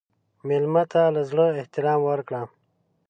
مېلمه ته له زړه احترام ورکړه.